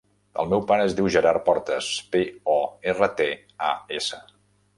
El meu pare es diu Gerard Portas: pe, o, erra, te, a, essa.